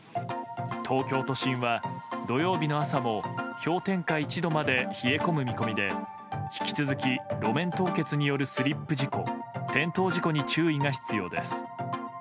東京都心は、土曜日の朝も氷点下１度まで冷え込む見込みで引き続き路面凍結によるスリップ事故転倒事故に注意が必要です。